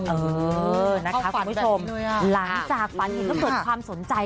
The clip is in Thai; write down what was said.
เออนะคะคุณผู้ชมหลังจากฝันเห็นก็เกิดความสนใจ